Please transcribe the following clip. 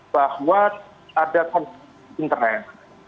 bahwa ada konflik internet